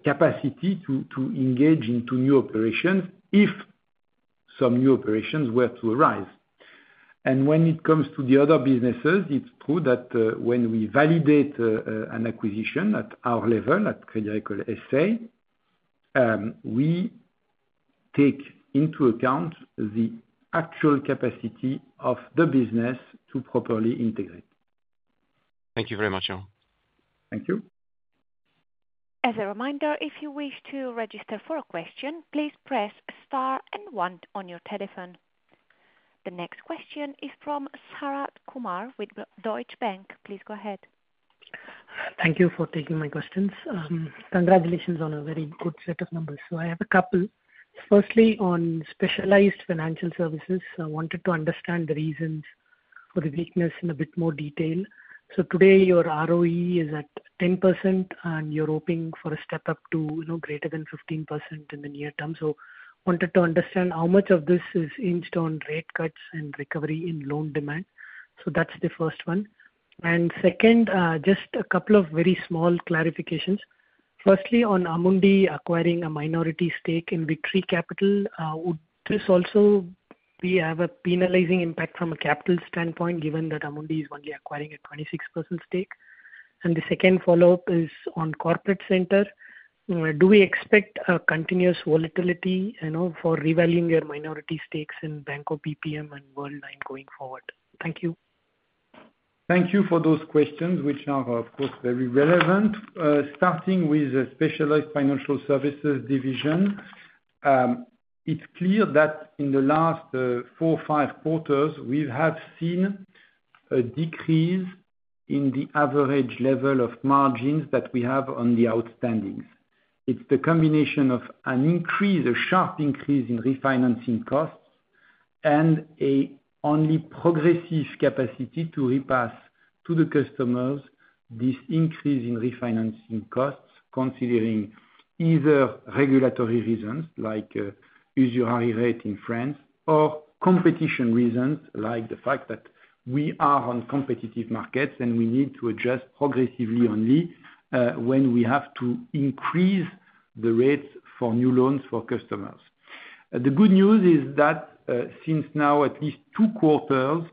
B: capacity to engage into new operations if some new operations were to arise. And when it comes to the other businesses, it's true that when we validate an acquisition at our level, at Crédit Agricole S.A., we take into account the actual capacity of the business to properly integrate.
G: Thank you very much, Jérôme.
B: Thank you.
A: As a reminder, if you wish to register for a question, please press star and one on your telephone. The next question is from Sharath Kumar with Deutsche Bank. Please go ahead.
H: Thank you for taking my questions. Congratulations on a very good set of numbers. So I have a couple. Firstly, on specialized financial services, I wanted to understand the reasons for the weakness in a bit more detail. So today, your ROE is at 10%, and you're hoping for a step up to, you know, greater than 15% in the near term. So I wanted to understand how much of this is hinged on rate cuts and recovery in loan demand. So that's the first one. And second, just a couple of very small clarifications. Firstly, on Amundi acquiring a minority stake in Victory Capital, would this also be have a penalizing impact from a capital standpoint given that Amundi is only acquiring a 26% stake? And the second follow-up is on corporate center. Do we expect a continuous volatility, you know, for revaluing your minority stakes in Banco BPM and Worldline going forward? Thank you.
B: Thank you for those questions, which are, of course, very relevant. Starting with the specialized financial services division, it's clear that in the last 4 or 5 quarters, we have seen a decrease in the average level of margins that we have on the outstandings. It's the combination of an increase, a sharp increase in refinancing costs, and a only progressive capacity to repass to the customers this increase in refinancing costs considering either regulatory reasons like usury rate in France or competition reasons like the fact that we are on competitive markets and we need to adjust progressively only when we have to increase the rates for new loans for customers. The good news is that since now at least 2 quarters,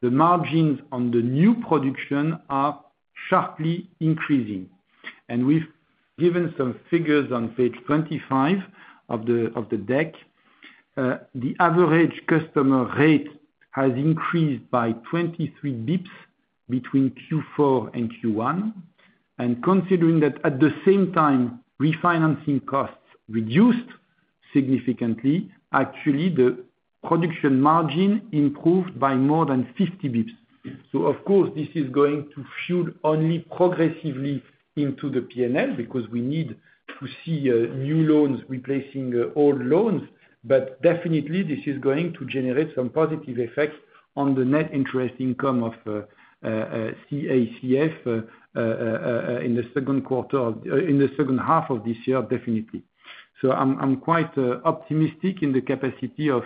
B: the margins on the new production are sharply increasing. And we've given some figures on page 25 of the deck. The average customer rate has increased by 23 bps between Q4 and Q1. Considering that at the same time, refinancing costs reduced significantly, actually, the production margin improved by more than 50 bips. So, of course, this is going to fuel only progressively into the P&L because we need to see, new loans replacing old loans. But definitely, this is going to generate some positive effects on the net interest income of, CACF, in the second half of this year, definitely. So I'm quite, optimistic in the capacity of,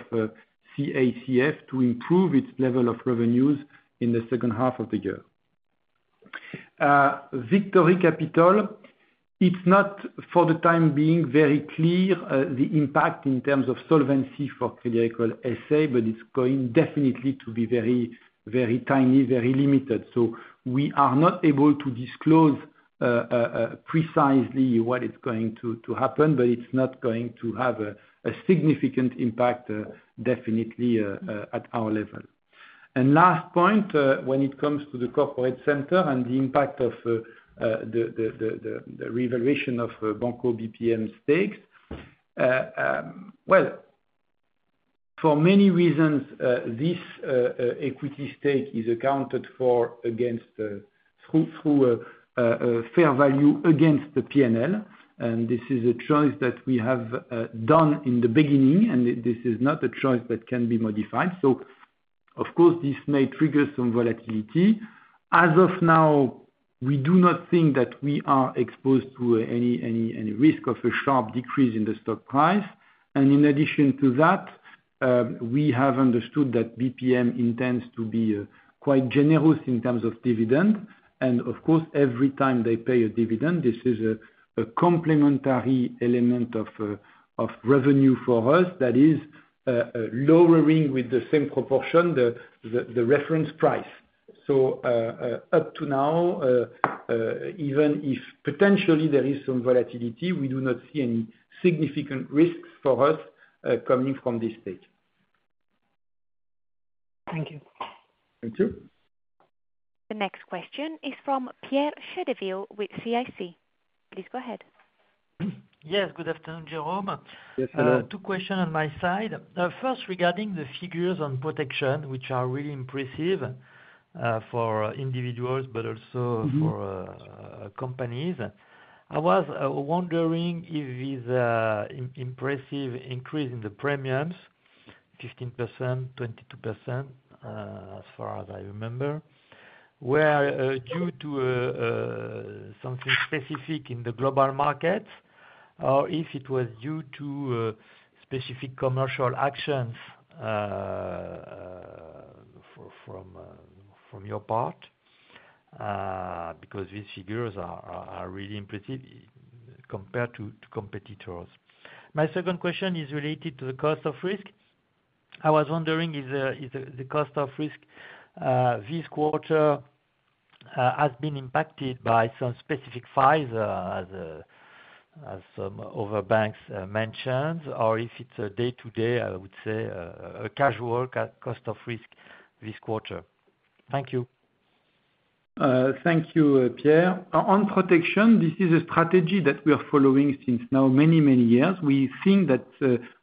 B: CACF to improve its level of revenues in the second half of the year. Victory Capital, it's not for the time being very clear, the impact in terms of solvency for Crédit Agricole S.A., but it's going definitely to be very, very tiny, very limited. So we are not able to disclose precisely what it's going to happen, but it's not going to have a significant impact, definitely, at our level. And last point, when it comes to the corporate center and the impact of the revaluation of Banco BPM stakes, well, for many reasons, this equity stake is accounted for against through a fair value against the P&L. And this is a choice that we have done in the beginning, and this is not a choice that can be modified. So, of course, this may trigger some volatility. As of now, we do not think that we are exposed to any risk of a sharp decrease in the stock price. And in addition to that, we have understood that BPM intends to be quite generous in terms of dividend. And, of course, every time they pay a dividend, this is a complementary element of revenue for us that is lowering with the same proportion the reference price. So, up to now, even if potentially there is some volatility, we do not see any significant risks for us coming from this stake.
H: Thank you.
B: Thank you.
A: The next question is from Pierre Chédeville with CIC. Please go ahead.
I: Yes. Good afternoon, Jérôme. Yes, hello. Two questions on my side. First, regarding the figures on protection, which are really impressive, for individuals, but also for companies. I was wondering if this impressive increase in the premiums, 15%, 22%, as far as I remember, were due to something specific in the global markets or if it was due to specific commercial actions from your part, because these figures are really impressive compared to competitors. My second question is related to the cost of risk. I was wondering if the cost of risk, this quarter, has been impacted by some specific files, as some other banks mentioned, or if it's a day-to-day, I would say, a casual cost of risk this quarter. Thank you.
B: Thank you, Pierre. On protection, this is a strategy that we are following since now many, many years. We think that,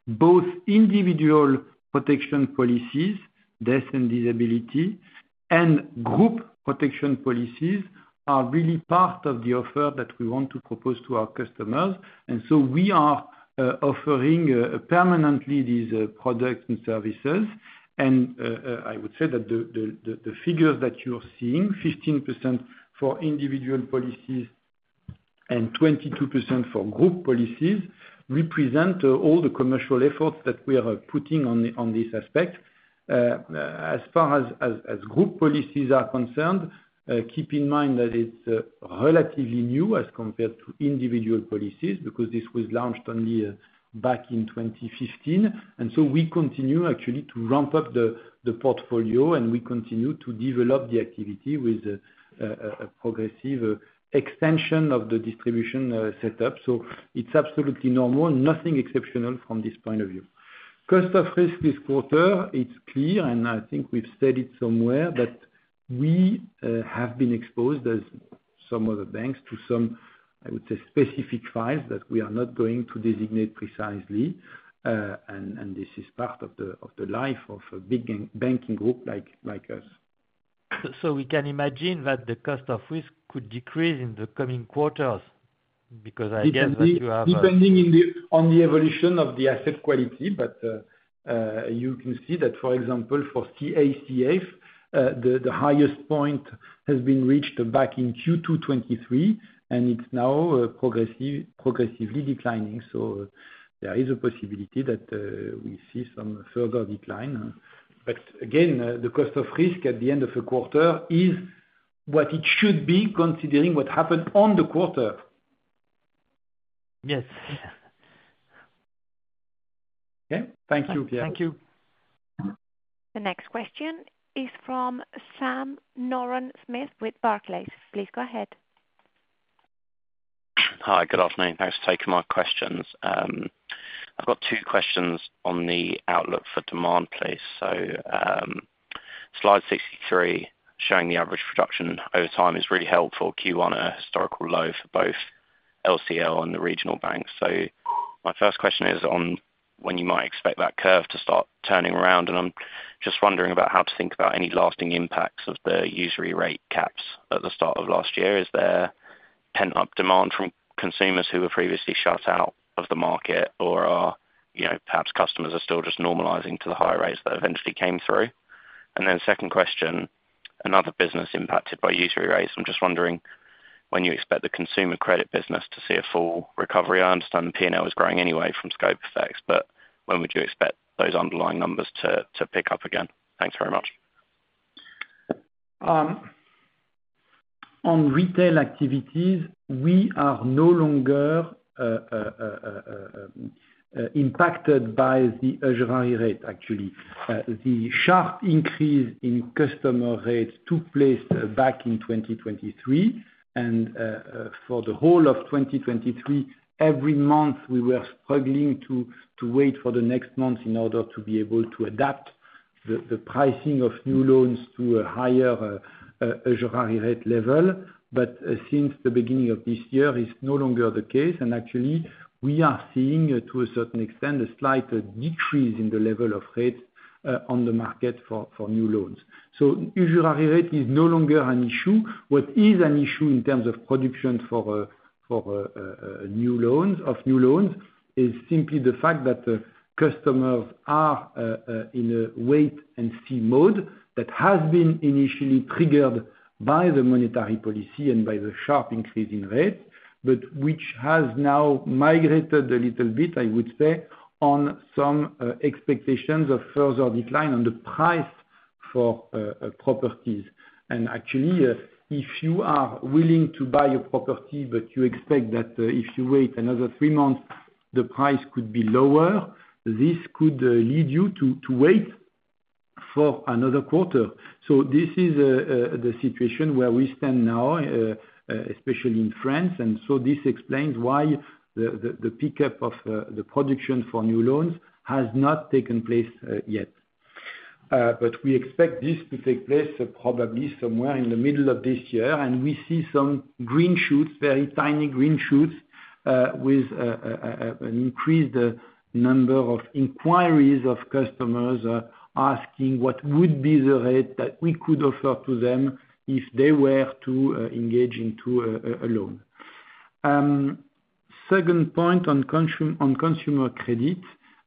B: both individual protection policies, death and disability, and group protection policies are really part of the offer that we want to propose to our customers. And so we are, offering permanently these products and services. And, I would say that the figures that you are seeing, 15% for individual policies and 22% for group policies, represent all the commercial efforts that we are putting on this aspect. As far as group policies are concerned, keep in mind that it's relatively new as compared to individual policies because this was launched only back in 2015. And so we continue actually to ramp up the portfolio, and we continue to develop the activity with a progressive extension of the distribution setup. So it's absolutely normal, nothing exceptional from this point of view. Cost of risk this quarter, it's clear, and I think we've said it somewhere that we have been exposed as some other banks to some, I would say, specific files that we are not going to designate precisely, and this is part of the life of a big banking group like us. So we can imagine that the cost of risk could decrease in the coming quarters because I guess that you have a depending on the evolution of the asset quality. But you can see that, for example, for CACF, the highest point has been reached back in Q2 2023, and it's now progressively declining. So there is a possibility that we see some further decline. But again, the cost of risk at the end of a quarter is what it should be considering what happened in the quarter.
I: Yes. Okay.
B: Thank you, Pierre.
I: Thank you.
A: The next question is from Sam Moran-Smyth with Barclays. Please go ahead.
J: Hi. Good afternoon. Thanks for taking my questions. I've got two questions on the outlook for demand, please. So, slide 63 showing the average production over time is really helpful. Q1, a historical low for both LCL and the regional banks. So my first question is on when you might expect that curve to start turning around. And I'm just wondering about how to think about any lasting impacts of the usury rate caps at the start of last year. Is there pent-up demand from consumers who were previously shut out of the market or are, you know, perhaps customers are still just normalizing to the higher rates that eventually came through? And then second question, another business impacted by usury rates. I'm just wondering when you expect the consumer credit business to see a full recovery. I understand the P&L is growing anyway from scope effects, but when would you expect those underlying numbers to pick up again? Thanks very much.
B: On retail activities, we are no longer impacted by the usury rate, actually. The sharp increase in customer rates took place back in 2023. For the whole of 2023, every month, we were struggling to wait for the next month in order to be able to adapt the pricing of new loans to a higher usury rate level. But since the beginning of this year, it's no longer the case. And actually, we are seeing, to a certain extent, a slight decrease in the level of rates on the market for new loans. So usury rate is no longer an issue. What is an issue in terms of production for new loans is simply the fact that customers are in a wait-and-see mode that has been initially triggered by the monetary policy and by the sharp increase in rates, but which has now migrated a little bit, I would say, on some expectations of further decline on the price for properties. And actually, if you are willing to buy a property, but you expect that, if you wait another three months, the price could be lower, this could lead you to wait for another quarter. So this is the situation where we stand now, especially in France. And so this explains why the pickup of the production for new loans has not taken place yet, but we expect this to take place probably somewhere in the middle of this year. We see some green shoots, very tiny green shoots, with an increased number of inquiries of customers, asking what would be the rate that we could offer to them if they were to engage into a loan. Second point on consumer credit,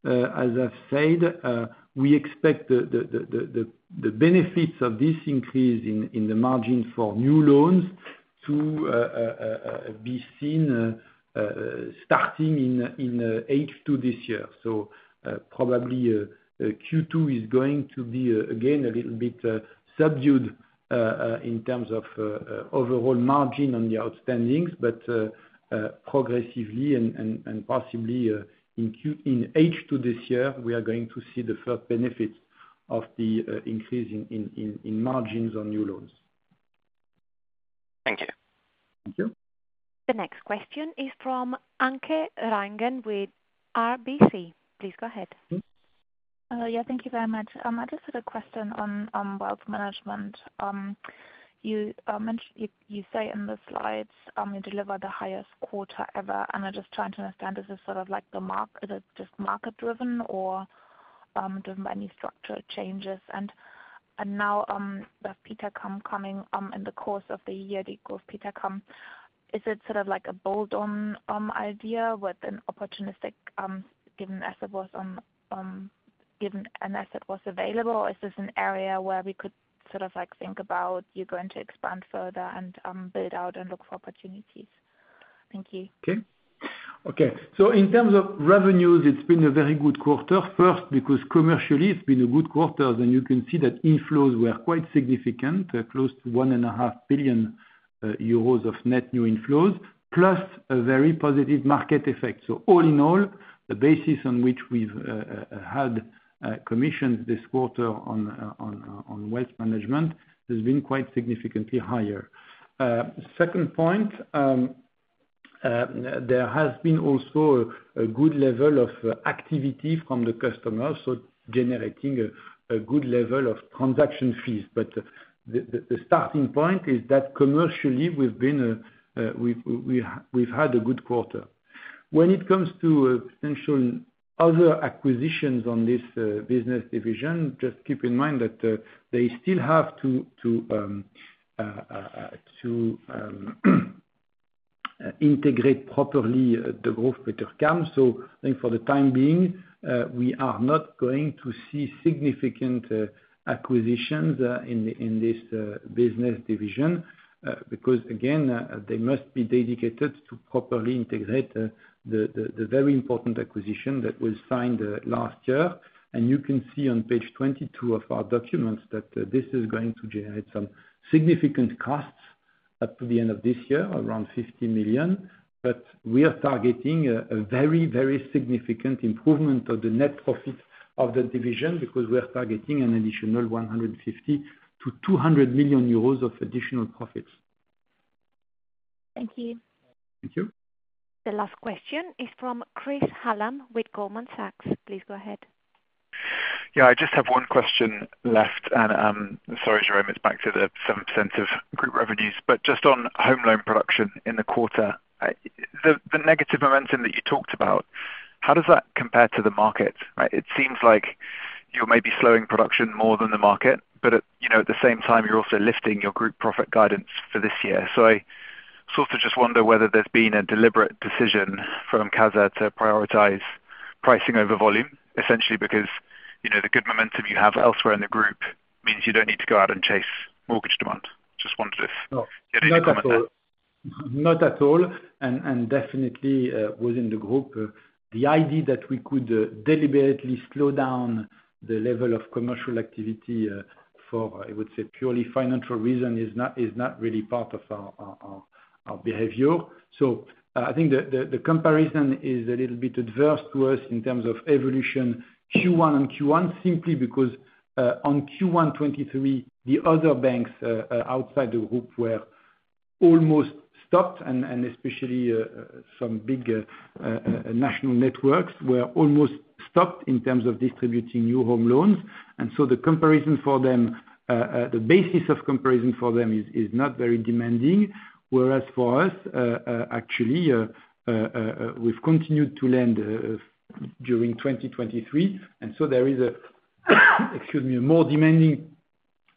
B: as I've said, we expect the benefits of this increase in the margin for new loans to be seen, starting in H2 this year. So, probably, Q2 is going to be again a little bit subdued, in terms of overall margin on the outstandings, but progressively and possibly, in H2 this year, we are going to see the first benefits of the increase in margins on new loans.
J: Thank you.
B: Thank you.
A: The next question is from Anke Reingen with RBC. Please go ahead.
K: Yeah, thank you very much. I just had a question on wealth management. You say in the slides, you deliver the highest quarter ever. And I'm just trying to understand, is this sort of like the mark is it just market-driven or driven by any structural changes? And now, we have Petercam coming in the course of the year. The goal of Petercam is it sort of like a bolt-on idea with an opportunistic given an asset was available, or is this an area where we could sort of like think about you going to expand further and build out and look for opportunities? Thank you.
B: Okay. Okay. So, in terms of revenues, it's been a very good quarter. First, because commercially, it's been a good quarter. You can see that inflows were quite significant, close to 1.5 billion euros of net new inflows, plus a very positive market effect. So all in all, the basis on which we've had commissions this quarter on wealth management has been quite significantly higher. Second point, there has been also a good level of activity from the customers, so generating a good level of transaction fees. But the starting point is that commercially, we've had a good quarter. When it comes to potential other acquisitions on this business division, just keep in mind that they still have to integrate properly the Degroof Petercam. So I think for the time being, we are not going to see significant acquisitions in this business division because, again, they must be dedicated to properly integrate the very important acquisition that was signed last year. And you can see on page 22 of our documents that this is going to generate some significant costs up to the end of this year, around 50 million. But we are targeting a very, very significant improvement of the net profit of the division because we are targeting an additional 150 million-200 million euros of additional profits.
K: Thank you.
B: Thank you.
A: The last question is from Chris Hallam with Goldman Sachs. Please go ahead.
L: Yeah. I just have one question left. And, sorry, Jérôme. It's back to the 7% of group revenues. But just on home loan production in the quarter, the negative momentum that you talked about, how does that compare to the market? Right? It seems like you're maybe slowing production more than the market, but at you know, at the same time, you're also lifting your group profit guidance for this year. So, I sort of just wonder whether there's been a deliberate decision from CASA to prioritize pricing over volume, essentially because, you know, the good momentum you have elsewhere in the group means you don't need to go out and chase mortgage demand. Just wondered if you had any comment there.
B: Not at all. Not at all. And definitely, within the group, the idea that we could deliberately slow down the level of commercial activity, for, I would say, purely financial reason is not really part of our behavior. So I think the comparison is a little bit adverse to us in terms of evolution Q1 and Q1 simply because, on Q1 2023, the other banks outside the group were almost stopped and especially some big national networks were almost stopped in terms of distributing new home loans. And so the comparison for them, the basis of comparison for them is not very demanding. Whereas for us, actually, we've continued to lend during 2023. And so there is, excuse me, a more demanding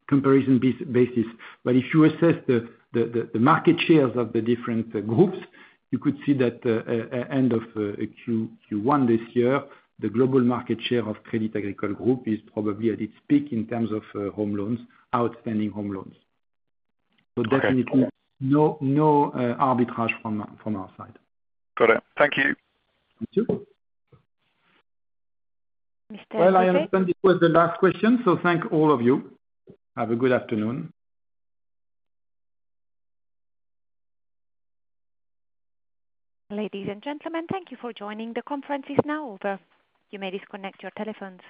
B: comparison basis. But if you assess the market shares of the different groups, you could see that, end of Q1 this year, the global market share of Crédit Agricole Group is probably at its peak in terms of home loans, outstanding home loans. So definitely no arbitrage from our side.
L: Got it. Thank you.
B: Thank you. Well, I understand this was the last question. So, thank all of you. Have a good afternoon.
A: Ladies and gentlemen, thank you for joining the conference. It's now over. You may disconnect your telephones.